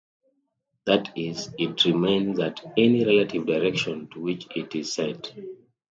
That is, it remains at any "relative" direction to which it is set.